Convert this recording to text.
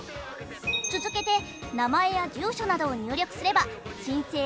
続けて名前や住所などを入力すれば申請は完了。